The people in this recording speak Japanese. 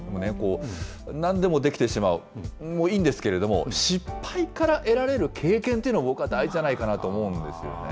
なんでもできてしまうもいいんですけれども、失敗から得られる経験というのも、僕は大事じゃないかなと思うんですよね。